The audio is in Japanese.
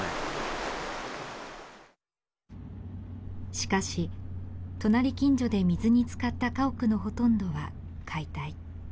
しかし隣近所で水につかった家屋のほとんどは解体。